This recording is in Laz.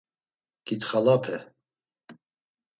Ǩitxalape...